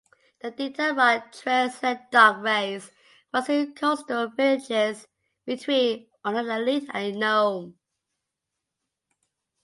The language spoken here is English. The Iditarod Trail Sled Dog Race runs through coastal villages between Unalakleet and Nome.